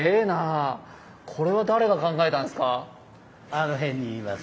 あのへんにいます。